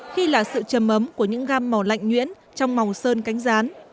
khi là sự trầm ấm của những gam màu lạnh nhuyễn trong màu sơn cánh rán